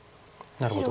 なるほど。